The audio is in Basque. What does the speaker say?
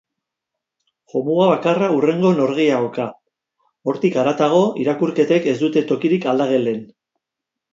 Jomuga bakarra hurrengo norgehiagoka, hortik haratagoko irakurketek ez dute tokirik aldagelen.